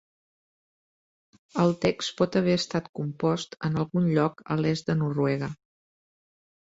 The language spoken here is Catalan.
El text pot haver estat compost en algun lloc a l'est de Noruega.